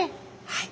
はい。